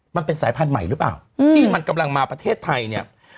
มันเป็นสายพันธุ์ใหม่หรือเปล่าที่มันกำลังมาประเทศไทยเนี่ย